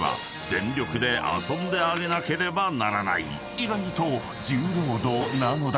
［意外と重労働なのだ］